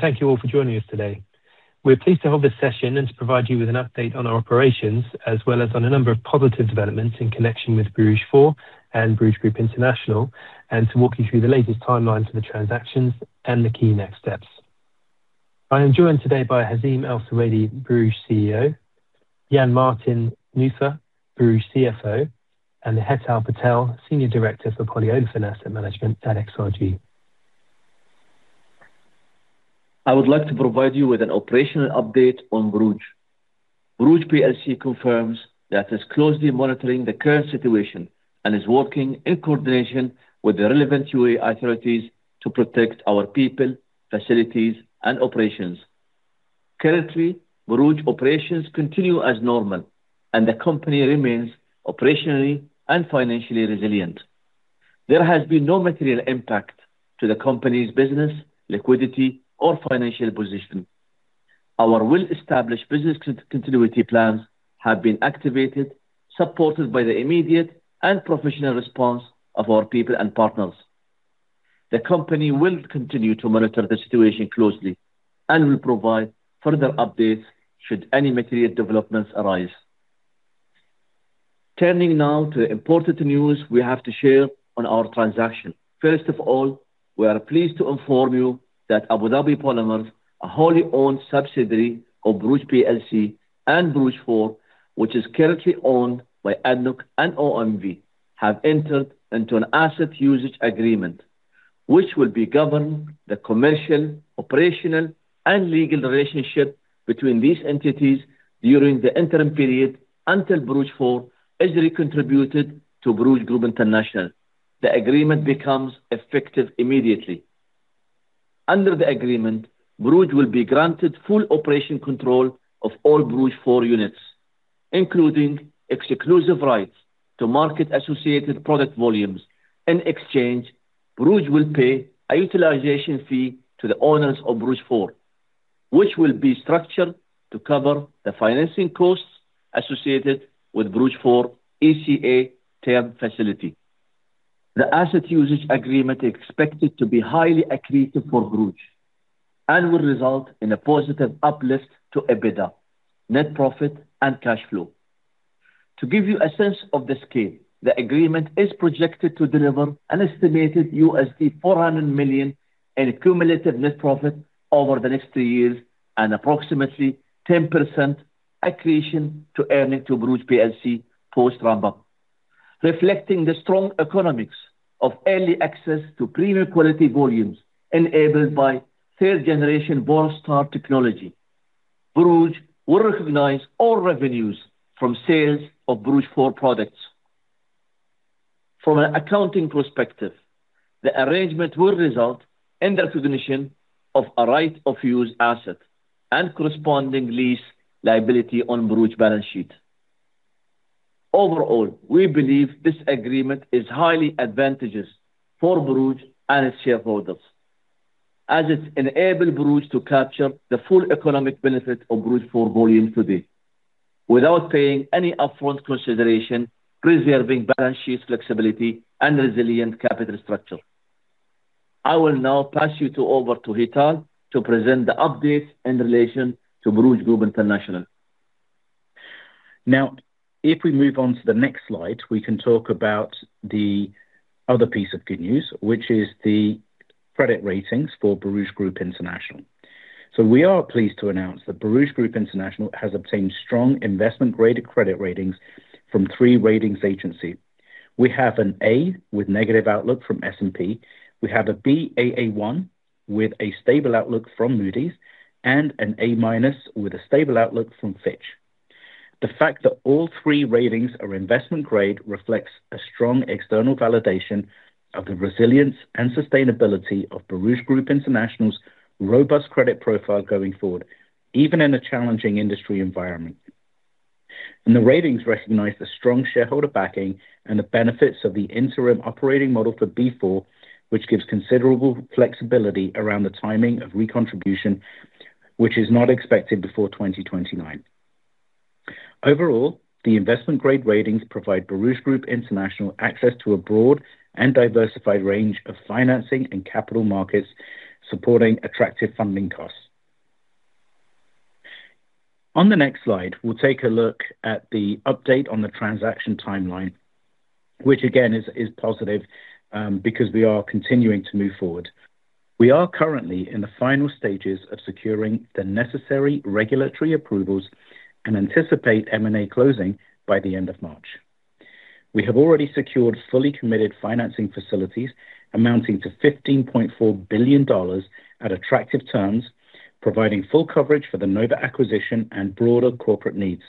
Thank you all for joining us today. We're pleased to hold this session and to provide you with an update on our operations as well as on a number of positive developments in connection with Borouge 4 and Borouge Group International, and to walk you through the latest timeline to the transactions and the key next steps. I am joined today by Hazeem Sultan Al Suwaidi, Chief Executive Officer, Borouge, Jan-Martin Nufer, Chief Financial Officer, Borouge, and Hetal Patel, Senior Director for Polyolefins Asset Management at XRG. I would like to provide you with an operational update on Borouge. Borouge PLC confirms that it's closely monitoring the current situation and is working in coordination with the relevant UAE authorities to protect our people, facilities, and operations. Currently, Borouge operations continue as normal, and the company remains operationally and financially resilient. There has been no material impact to the company's business, liquidity, or financial position. Our well-established business continuity plans have been activated, supported by the immediate and professional response of our people and partners. The company will continue to monitor the situation closely and will provide further updates should any material developments arise. Turning now to the important news we have to share on our transaction. First of all, we are pleased to inform you that Abu Dhabi Polymers, a wholly owned subsidiary of Borouge PLC and Borouge 4, which is currently owned by ADNOC and OMV, have entered into an asset usage agreement, which will be governing the commercial, operational, and legal relationship between these entities during the interim period until Borouge 4 is recontributed to Borouge Group International. The agreement becomes effective immediately. Under the agreement, Borouge will be granted full operation control of all Borouge 4 units, including exclusive rights to market-associated product volumes. In exchange, Borouge will pay a utilization fee to the owners of Borouge 4, which will be structured to cover the financing costs associated with Borouge 4 ECA term facility. The asset usage agreement expected to be highly accretive for Borouge and will result in a positive uplift to EBITDA, net profit, and cash flow. To give you a sense of the scale, the agreement is projected to deliver an estimated $400 million in cumulative net profit over the next three years and approximately 10% accretion to earnings to Borouge PLC post-ramp-up. Reflecting the strong economics of early access to premium quality volumes enabled by third-generation Borstar technology, Borouge will recognize all revenues from sales of Borouge 4 products. From an accounting perspective, the arrangement will result in the recognition of a right of use asset and corresponding lease liability on Borouge balance sheet. Overall, we believe this agreement is highly advantageous for Borouge and its shareholders, as it enable Borouge to capture the full economic benefit of Borouge 4 volume today, without paying any upfront consideration, preserving balance sheet flexibility and resilient capital structure. I will now pass you to over to Hetal to present the update in relation to Borouge Group International. If we move on to the next slide, we can talk about the other piece of good news, which is the credit ratings for Borouge Group International. We are pleased to announce that Borouge Group International has obtained strong investment-grade credit ratings from three ratings agencies. We have an A with negative outlook from S&P. We have a Baa1 with a stable outlook from Moody's and an A- with a stable outlook from Fitch. The fact that all three ratings are investment-grade reflects a strong external validation of the resilience and sustainability of Borouge Group International's robust credit profile going forward, even in a challenging industry environment. The ratings recognize the strong shareholder backing and the benefits of the interim operating model for B4, which gives considerable flexibility around the timing of recontribution, which is not expected before 2029. Overall, the investment-grade ratings provide Borouge Group International access to a broad and diversified range of financing and capital markets, supporting attractive funding costs. On the next slide, we'll take a look at the update on the transaction timeline, which again is positive because we are continuing to move forward. We are currently in the final stages of securing the necessary regulatory approvals and anticipate M&A closing by the end of March. We have already secured fully committed financing facilities amounting to $15.4 billion at attractive terms, providing full coverage for the Nova acquisition and broader corporate needs.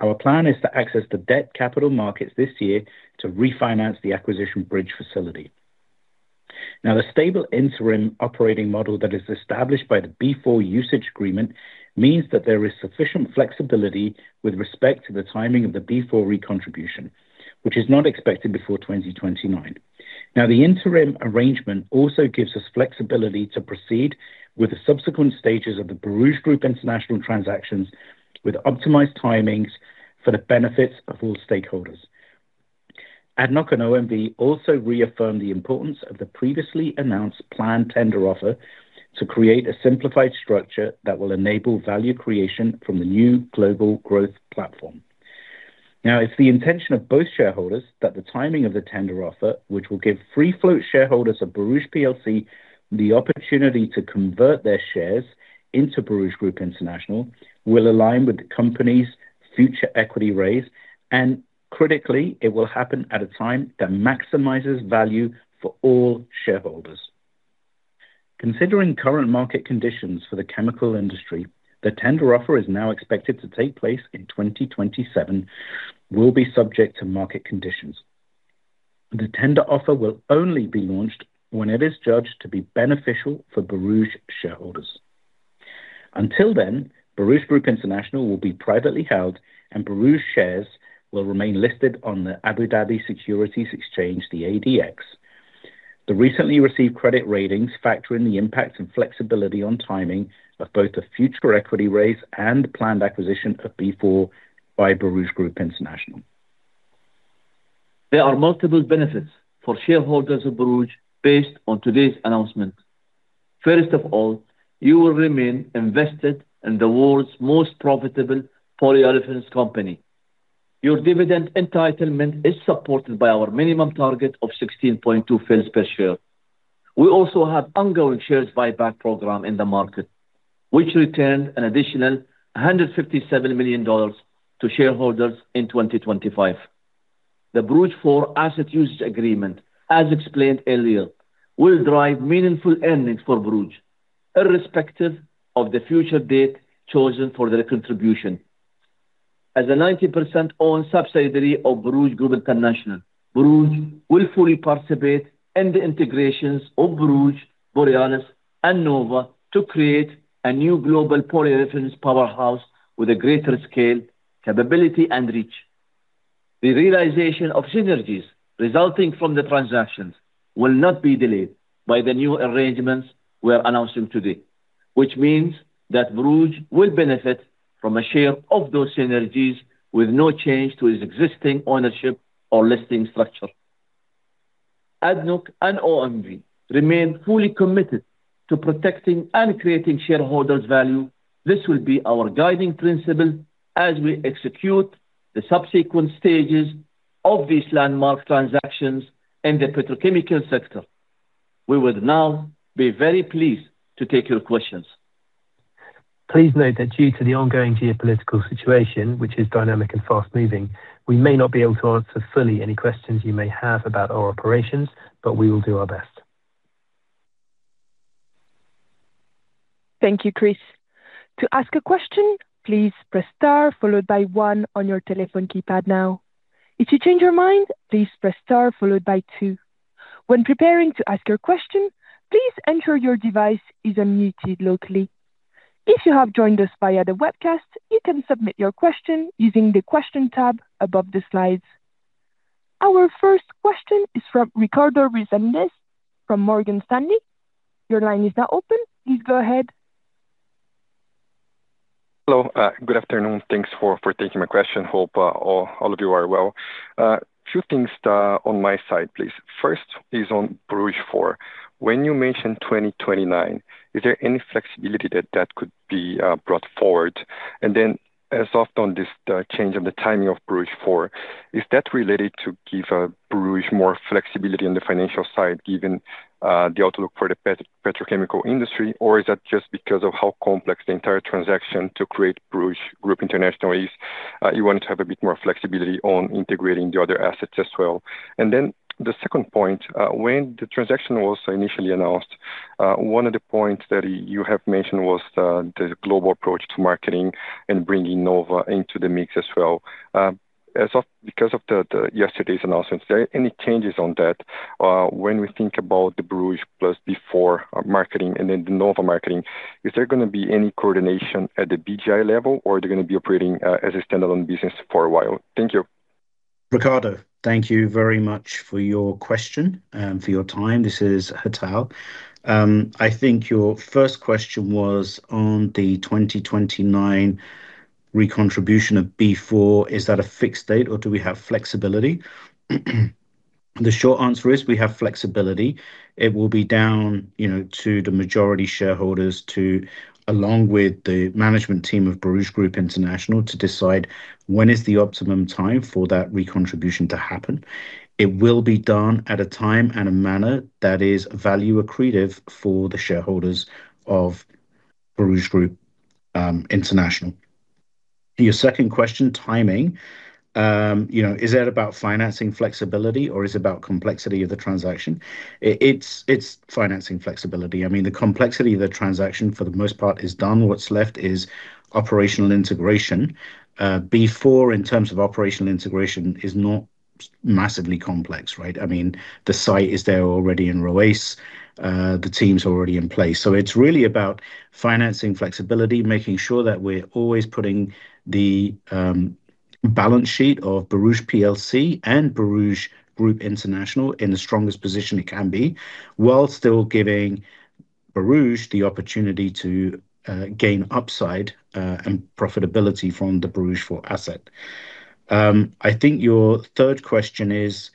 Our plan is to access the debt capital markets this year to refinance the acquisition bridge facility. The stable interim operating model that is established by the B4 usage agreement means that there is sufficient flexibility with respect to the timing of the B4 recontribution, which is not expected before 2029. The interim arrangement also gives us flexibility to proceed with the subsequent stages of the Borouge Group International transactions with optimized timings for the benefits of all stakeholders. ADNOC and OMV also reaffirmed the importance of the previously announced planned tender offer to create a simplified structure that will enable value creation from the new global growth platform. Now, it's the intention of both shareholders that the timing of the tender offer, which will give free float shareholders of Borouge PLC the opportunity to convert their shares into Borouge Group International, will align with the company's future equity raise and critically it will happen at a time that maximizes value for all shareholders. Considering current market conditions for the chemical industry, the tender offer is now expected to take place in 2027, will be subject to market conditions. The tender offer will only be launched when it is judged to be beneficial for Borouge shareholders. Until then, Borouge Group International will be privately held, and Borouge shares will remain listed on the Abu Dhabi Securities Exchange, the ADX. The recently received credit ratings factor in the impact and flexibility on timing of both the future equity raise and planned acquisition of B4 by Borouge Group International. There are multiple benefits for shareholders of Borouge based on today's announcement. First of all, you will remain invested in the world's most profitable polyolefins company. Your dividend entitlement is supported by our minimum target of 16.2 fils per share. We also have ongoing shares buyback program in the market, which returned an additional $157 million to shareholders in 2025. The Borouge 4 asset usage agreement, as explained earlier, will drive meaningful earnings for Borouge, irrespective of the future date chosen for the recontribution. As a 90% owned subsidiary of Borouge Group International, Borouge will fully participate in the integrations of Borouge, Borealis, and Nova Chemicals to create a new global polyolefins powerhouse with a greater scale, capability, and reach. The realization of synergies resulting from the transactions will not be delayed by the new arrangements we are announcing today, which means that Borouge will benefit from a share of those synergies with no change to its existing ownership or listing structure. ADNOC and OMV remain fully committed to protecting and creating shareholders value. This will be our guiding principle as we execute the subsequent stages of these landmark transactions in the petrochemical sector. We would now be very pleased to take your questions. Please note that due to the ongoing geopolitical situation, which is dynamic and fast-moving, we may not be able to answer fully any questions you may have about our operations, but we will do our best. Thank you, Chris. To ask a question please press star followed by one on your telephone keypad now. If you change your mind please press star followed by two. When preparing to ask your question please ensure your device is unmuted locally. If you have joined us via the webcast, you can submit your question using the question tab above the slides. Our first question is from Ricardo Resende from Morgan Stanley. Your line is now open. Please go ahead. Hello. Good afternoon. Thanks for taking my question. Hope all of you are well. Two things on my side, please. First is on Borouge 4. When you mention 2029, is there any flexibility that could be brought forward? As of on this, the change of the timing of Borouge 4, is that related to give Borouge more flexibility on the financial side given the outlook for the petrochemical industry? Or is that just because of how complex the entire transaction to create Borouge Group International is, you want to have a bit more flexibility on integrating the other assets as well? The second point, when the transaction was initially announced, one of the points that you have mentioned was the global approach to marketing and bringing Nova into the mix as well. Because of the yesterday's announcements, are there any changes on that? When we think about the Borouge plus B4 marketing and then the Nova marketing, is there gonna be any coordination at the BGI level, or are they gonna be operating as a standalone business for a while? Thank you. Ricardo, thank you very much for your question and for your time. This is Hetal. I think your first question was on the 2029 recontribution of B4. Is that a fixed date or do we have flexibility? The short answer is we have flexibility. It will be down, you know, to the majority shareholders to, along with the management team of Borouge Group International, to decide when is the optimum time for that recontribution to happen. It will be done at a time and a manner that is value accretive for the shareholders of Borouge Group International. Your second question, timing. You know, is that about financing flexibility, or is it about complexity of the transaction? It's financing flexibility. I mean, the complexity of the transaction for the most part is done. What's left is operational integration. B4 in terms of operational integration is not massively complex, right? I mean, the site is there already in Ruwais. The team's already in place. It's really about financing flexibility, making sure that we're always putting the balance sheet of Borouge PLC and Borouge Group International in the strongest position it can be while still giving Borouge the opportunity to gain upside and profitability from the Borouge 4 asset. I think your third question is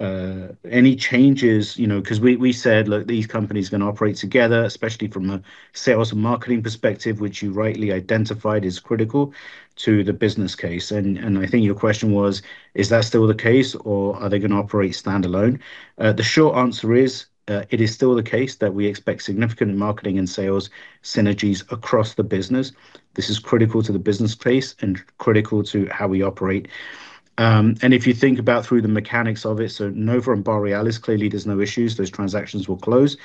any changes, you know, 'cause we said, look, these companies are gonna operate together, especially from a sales and marketing perspective, which you rightly identified is critical to the business case. I think your question was, is that still the case or are they gonna operate standalone? The short answer is, it is still the case that we expect significant marketing and sales synergies across the business. This is critical to the business case and critical to how we operate. If you think about through the mechanics of it, Nova and Borealis, clearly there's no issues. Those transactions will close.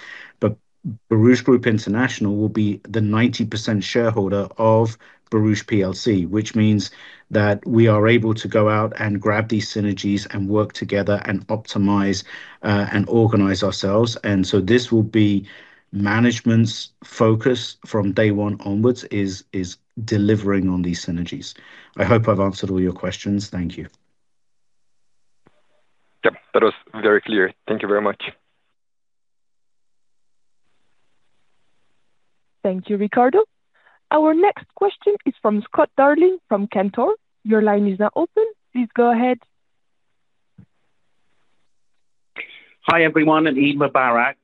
Borouge Group International will be the 90% shareholder of Borouge PLC, which means that we are able to go out and grab these synergies and work together and optimize and organize ourselves. This will be management's focus from day one onwards is delivering on these synergies. I hope I've answered all your questions. Thank you. Yep. That was very clear. Thank you very much. Thank you, Ricardo. Our next question is from Scott Darling from Cantor. Your line is now open. Please go ahead. Hi, everyone, and Eid Mubarak.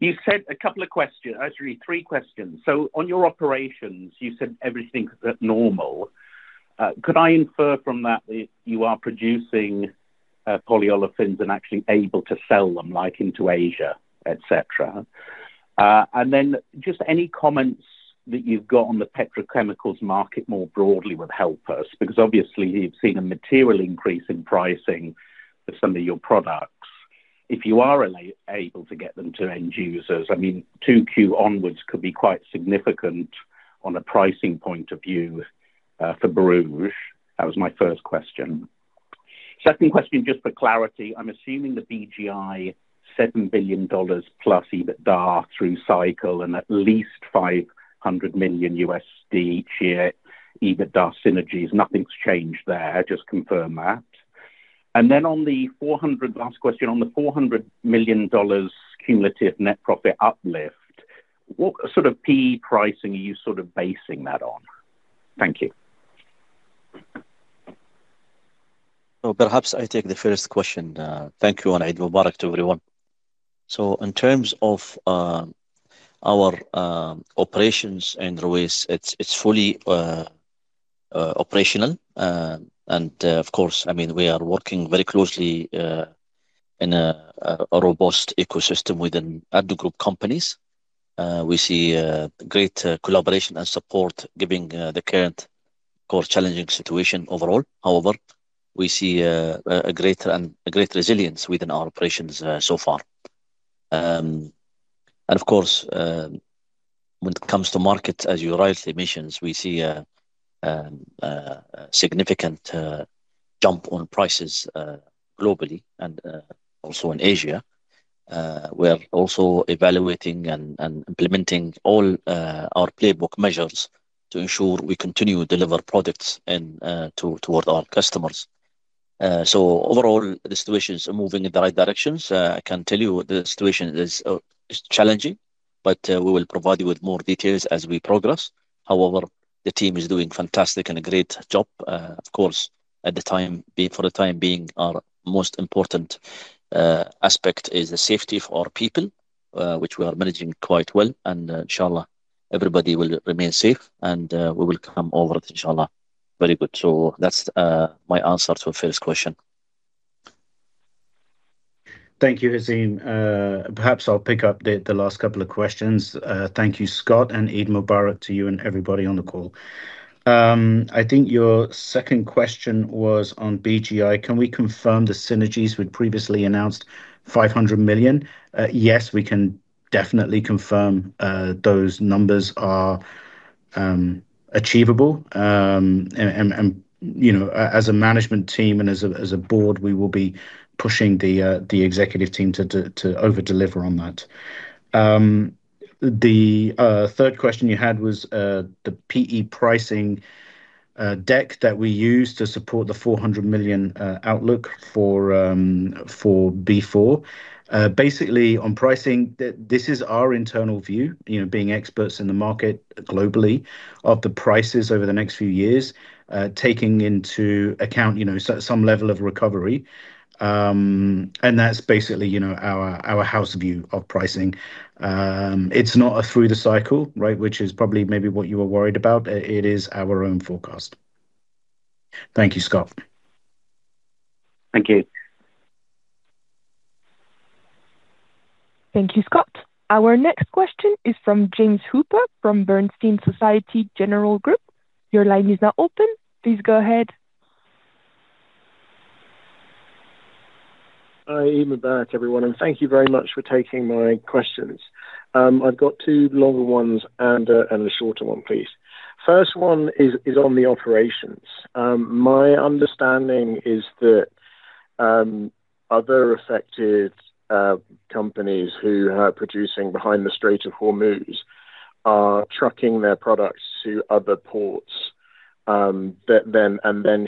You said a couple of questions. Actually, three questions. On your operations, you said everything's at normal. Could I infer from that that you are producing polyolefins and actually able to sell them, like into Asia, et cetera? Just any comments that you've got on the petrochemicals market more broadly would help us because obviously you've seen a material increase in pricing for some of your products. If you are able to get them to end users, 2Q onwards could be quite significant on a pricing point of view for Borouge. That was my first question. Second question, just for clarity, I'm assuming the Borouge $7 billion+ EBITDA through cycle and at least $500 million each year EBITDA synergies. Nothing's changed there. Just confirm that. Last question, on the $400 million cumulative net profit uplift, what sort of P/E pricing are you sort of basing that on? Thank you. Perhaps I take the first question. Thank you, and Eid Mubarak to everyone. In terms of our operations in Ruwais, it's fully operational. And, of course, I mean, we are working very closely in a robust ecosystem within ADNOC Group companies. We see great collaboration and support giving the current core challenging situation overall. However, we see a greater and a great resilience within our operations so far. And of course, when it comes to market, as you rightly mentioned, we see a significant jump on prices globally and also in Asia. We are also evaluating and implementing all our playbook measures to ensure we continue to deliver products and to our customers. Overall, the situation is moving in the right directions. I can tell you the situation is challenging, but we will provide you with more details as we progress. However, the team is doing fantastic and a great job. Of course, at the time being, for the time being, our most important aspect is the safety for our people, which we are managing quite well. Inshallah, everybody will remain safe and we will come over it, Inshallah. Very good. That's my answer to the first question. Thank you, Hazim. Perhaps I'll pick up the last couple of questions. Thank you, Scott, and Eid Mubarak to you and everybody on the call. I think your second question was on BGI. Can we confirm the synergies we'd previously announced, $500 million? Yes, we can definitely confirm, those numbers are achievable. You know, as a management team and as a board, we will be pushing the executive team to over-deliver on that. The third question you had was the P/E pricing deck that we use to support the $400 million outlook for B4. Basically on pricing, this is our internal view, you know, being experts in the market globally of the prices over the next few years, taking into account, some level of recovery. That's basically, you know, our house view of pricing. It's not a through the cycle, right? Which is probably maybe what you were worried about. It is our own forecast. Thank you, Scott. Thank you. Thank you, Scott. Our next question is from James Hooper from Bernstein Societe Generale Group. Your line is now open. Please go ahead. Hi. Eid Mubarak, everyone, and thank you very much for taking my questions. I've got two longer ones and a shorter one, please. First one is on the operations. My understanding is that other affected companies who are producing behind the Strait of Hormuz are trucking their products to other ports.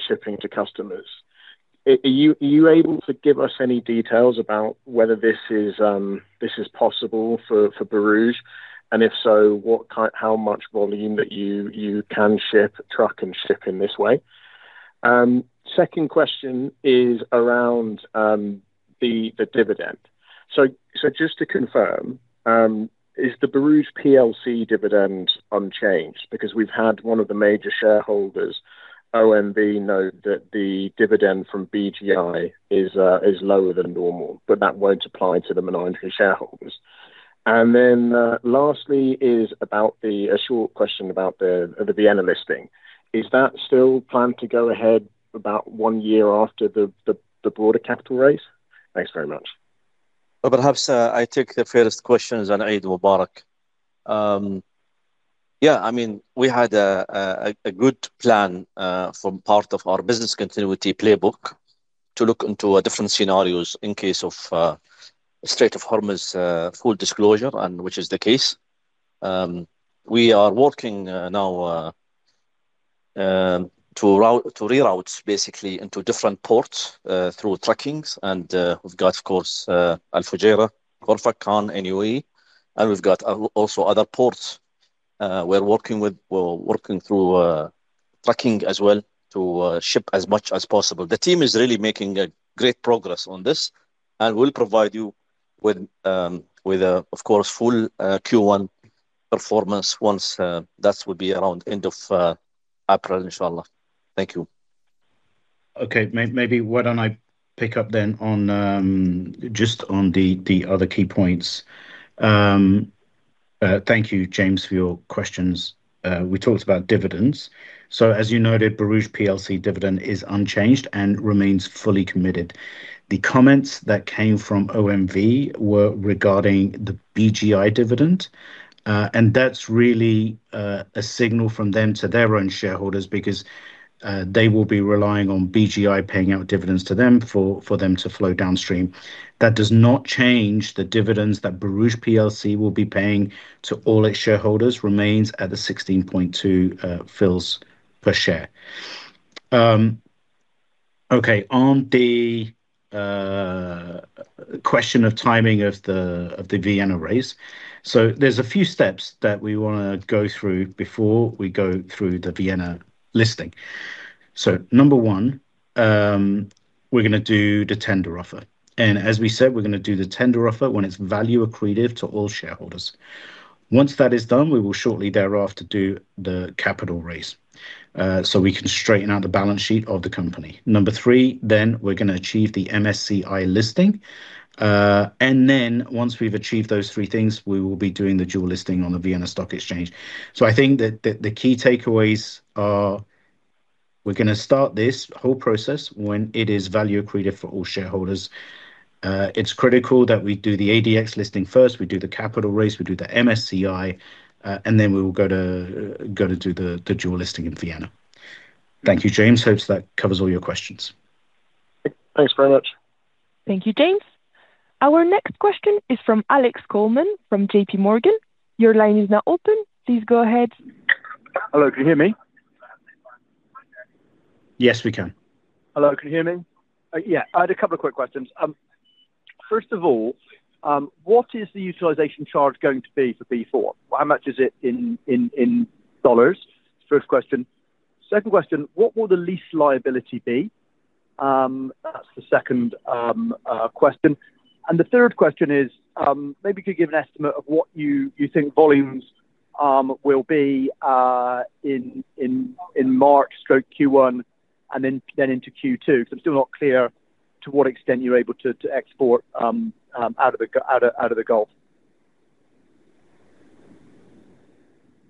Shipping to customers. Are you able to give us any details about whether this is possible for Borouge? If so, how much volume that you can ship, truck and ship in this way? Second question is around the dividend. Just to confirm, is the Borouge PLC dividend unchanged? Because we've had one of the major shareholders, OMV, note that the dividend from Borouge is lower than normal, but that won't apply to the minority shareholders. Lastly is about a short question about the Vienna listing. Is that still planned to go ahead about one year after the broader capital raise? Thanks very much. Well, perhaps, I take the first questions, and Eid Mubarak. Yeah, I mean, we had a good plan from part of our business continuity playbook to look into different scenarios in case of Strait of Hormuz full disclosure, which is the case. We are working now to reroute basically into different ports through truckings. We've got, of course, Al Fujairah, Khor Fakkan, UAE, we've got also other ports we're working with. We're working through trucking as well to ship as much as possible. The team is really making great progress on this, we'll provide you with, of course, full Q1 performance once that will be around end of April, inshallah. Thank you. Okay. Maybe why don't I pick up then on just on the other key points. Thank you, James, for your questions. We talked about dividends. As you noted, Borouge PLC dividend is unchanged and remains fully committed. The comments that came from OMV were regarding the Borouge dividend, and that's really a signal from them to their own shareholders because they will be relying on Borouge paying out dividends to them for them to flow downstream. That does not change the dividends that Borouge PLC will be paying to all its shareholders remains at the 0.162 per share. Okay, on the question of timing of the Vienna raise. There's a few steps that we wanna go through before we go through the Vienna listing. Number one, we're gonna do the tender offer. As we said, we're gonna do the tender offer when it's value accretive to all shareholders. Once that is done, we will shortly thereafter do the capital raise, so we can straighten out the balance sheet of the company. Number three, we're gonna achieve the MSCI listing. Once we've achieved those three things, we will be doing the dual listing on the Vienna Stock Exchange. I think that the key takeaways are we're gonna start this whole process when it is value accretive for all shareholders. It's critical that we do the ADX listing first, we do the capital raise, we do the MSCI, and then we will go to do the dual listing in Vienna. Thank you, James. Hope that covers all your questions. Thanks very much. Thank you, James. Our next question is from Alex Coleman from JPMorgan. Your line is now open. Please go ahead. Hello, can you hear me? Yes, we can. Hello, can you hear me? Yeah. I had a couple of quick questions. First of all, what is the utilization charge going to be for B4? How much is it in dollars? First question. Second question, what will the lease liability be? That's the second question. The third question is, maybe you could give an estimate of what you think volumes will be in March stroke Q1 and then into Q2, 'cause I'm still not clear to what extent you're able to export out of the Gulf.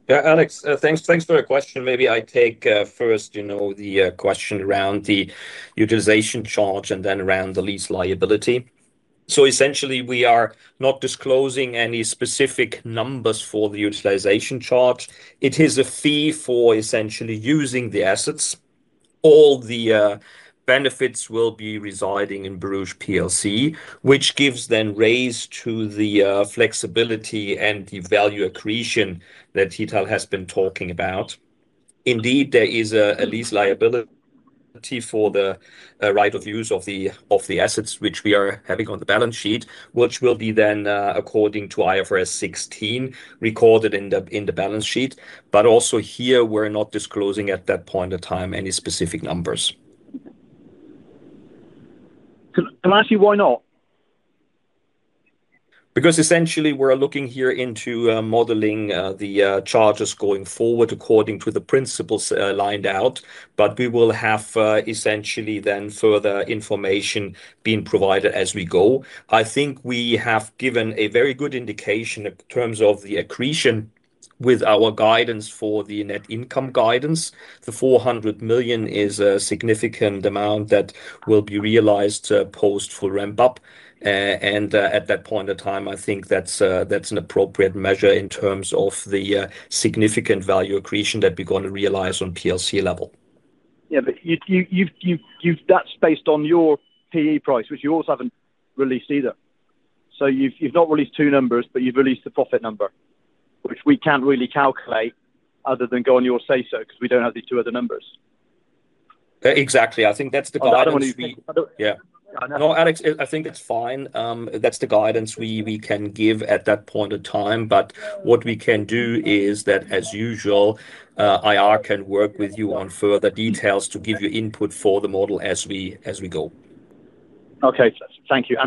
Yeah, Alex, thanks for your question. Maybe I take, first, you know, the question around the utilization charge and then around the lease liability. Essentially, we are not disclosing any specific numbers for the utilization charge. It is a fee for essentially using the assets. All the benefits will be residing in Borouge PLC, which gives then raise to the flexibility and the value accretion that Hetal has been talking about. Indeed, there is a lease liability for the right of use of the assets which we are having on the balance sheet, which will be then, according to IFRS 16 recorded in the balance sheet. Also here, we're not disclosing at that point of time any specific numbers. Can I ask you why not? Essentially we're looking here into modeling the charges going forward according to the principles lined out, but we will have essentially then further information being provided as we go. I think we have given a very good indication in terms of the accretion with our guidance for the net income guidance. The $400 million is a significant amount that will be realized post full ramp-up. At that point of time, I think that's an appropriate measure in terms of the significant value accretion that we're gonna realize on PLC level. That's based on your polyethylene price, which you also haven't released either. You've, you've not released two numbers, but you've released a profit number, which we can't really calculate other than go on your say so 'cause we don't have the two other numbers. Exactly. I think that's the guidance. Oh. Yeah. I know. No, Alex, I think it's fine. That's the guidance we can give at that point of time. What we can do is that, as usual, IR can work with you on further details to give you input for the model as we go. Okay. Thank you.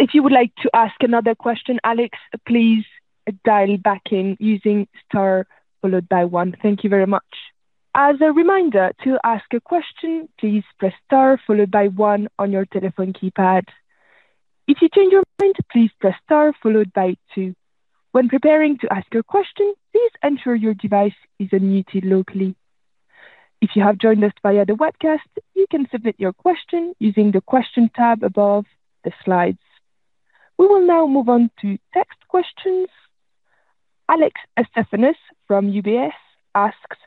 If you would like to ask another question, Alex, please dial back in using star followed by one. Thank you very much. As a reminder, to ask a question, please press star followed by one on your telephone keypad. If you change your mind, please press star followed by two. When preparing to ask your question, please ensure your device is unmuted locally. If you have joined us via the webcast, you can submit your question using the question tab above the slides. We will now move on to text questions. Alex Estefanous from UBS asks,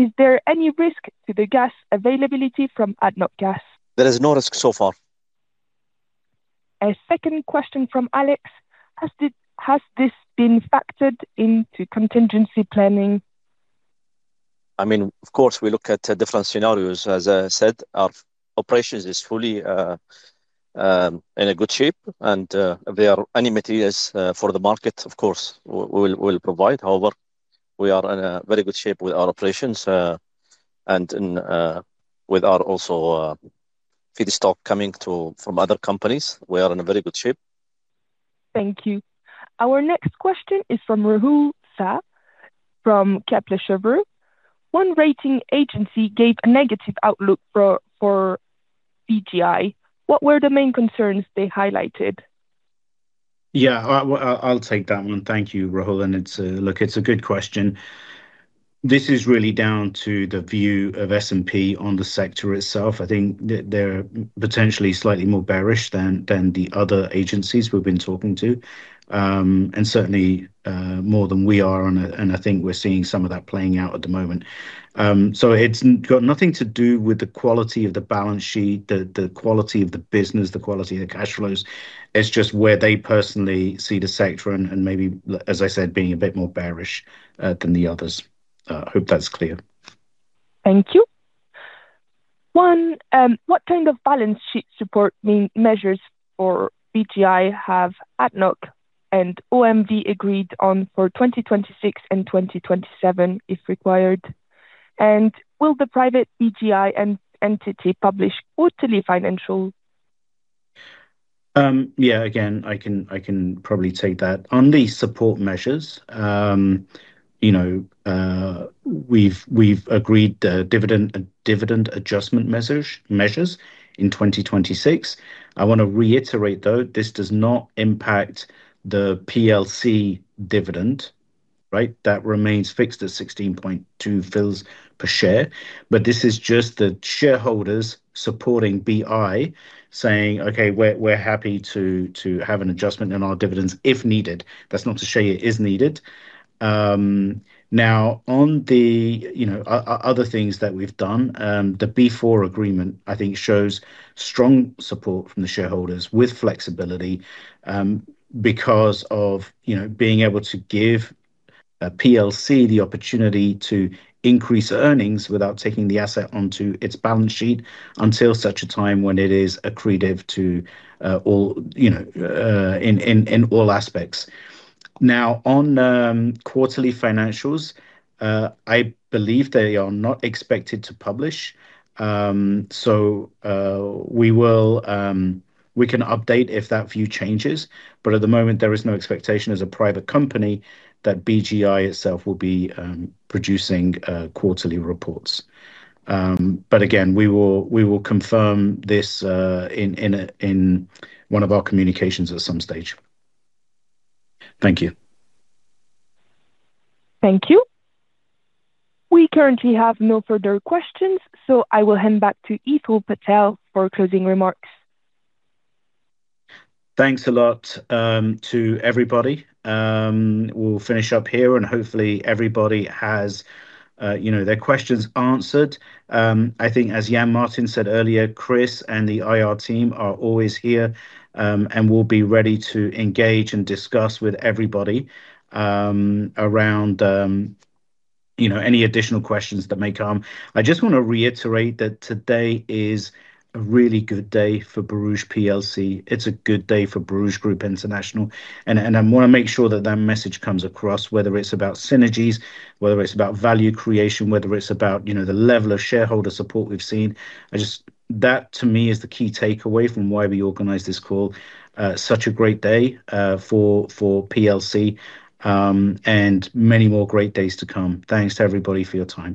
"Is there any risk to the gas availability from ADNOC Gas? There is no risk so far. A second question from Alex. "Has this been factored into contingency planning? I mean, of course, we look at different scenarios. As I said, our operations is fully in a good shape, and there are any materials for the market, of course, we will provide. However, we are in a very good shape with our operations, and with our also, feedstock coming to, from other companies. We are in a very good shape. Thank you. Our next question is from Rahul Shah from Kepler Cheuvreux. One rating agency gave a negative outlook for Borouge. What were the main concerns they highlighted? I'll take that one. Thank you, Rahul. Look, it's a good question. This is really down to the view of S&P on the sector itself. I think they're potentially slightly more bearish than the other agencies we've been talking to. Certainly, more than we are. I think we're seeing some of that playing out at the moment. It's got nothing to do with the quality of the balance sheet, the quality of the business, the quality of the cash flows. It's just where they personally see the sector and maybe, as I said, being a bit more bearish than the others. Hope that's clear. Thank you. One, what kind of balance sheet support measures for BGI have ADNOC and OMV agreed on for 2026 and 2027 if required? Will the private BGI entity publish quarterly financial? Yeah. Again, I can probably take that. On the support measures, you know, we've agreed dividend and dividend adjustment measures in 2026. I wanna reiterate, though, this does not impact the PLC dividend, right? That remains fixed at 0.162 per share, but this is just the shareholders supporting BGI saying, "Okay, we're happy to have an adjustment in our dividends if needed." That's not to say it is needed. Now on the, you know, other things that we've done, the B4 agreement, I think, shows strong support from the shareholders with flexibility, because of, you know, being able to give a PLC the opportunity to increase earnings without taking the asset onto its balance sheet until such a time when it is accretive to all, you know, in all aspects. On quarterly financials, I believe they are not expected to publish. We will. We can update if that view changes, but at the moment, there is no expectation as a private company that BGI itself will be producing quarterly reports. Again, we will confirm this in a, in one of our communications at some stage. Thank you. Thank you. We currently have no further questions, so I will hand back to Hetal Patel for closing remarks. Thanks a lot to everybody. We'll finish up here, hopefully everybody has, you know, their questions answered. I think as Jan-Martin said earlier, Chris and the IR team are always here, we'll be ready to engage and discuss with everybody around, you know, any additional questions that may come. I just wanna reiterate that today is a really good day for Borouge PLC. It's a good day for Borouge Group International, and I wanna make sure that that message comes across, whether it's about synergies, whether it's about value creation, whether it's about, you know, the level of shareholder support we've seen. That to me is the key takeaway from why we organized this call. Such a great day for PLC, many more great days to come. Thanks to everybody for your time.